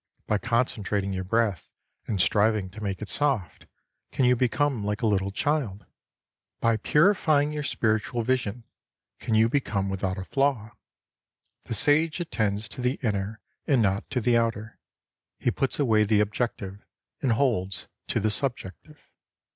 By concentrating your breath and striving to make it soft, can you become like a little child ? By purifying your spiritual vision, can you be come without a flaw ? The Sage attends to the inner and not to the outer ; he puts away the objective and holds to the subjective.